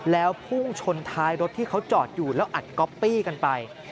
แล้วพุ่งชนท้ายรถที่เขาจอดอยู่แล้วอัดก๊อปปี้กันไป